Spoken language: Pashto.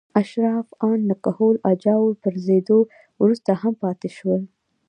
اشراف ان له کهول اجاو پرځېدو وروسته هم پاتې شول.